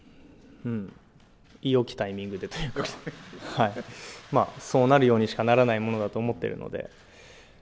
いい、よきタイミングでというか、そうなるようにしかならないと思っているので。